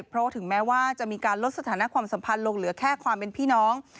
เพราะถึงแม้ว่าจะมีการลดสถานะความสัมพันธ์ลงเหลือแค่ความเป็นพี่น้อง